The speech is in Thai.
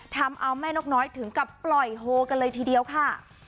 ทำเอาแม่นกน้อยถึงกับปล่อยโฮกันเลยทีเดียวค่ะ